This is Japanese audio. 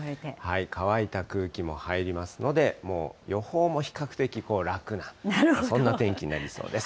乾いた空気も入りますので、もう予報も比較的楽な、そんな天気になりそうです。